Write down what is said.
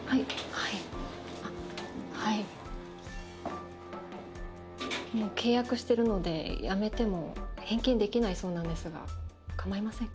はいあっはいもう契約してるのでやめても返金できないそうなんですがかまいませんか？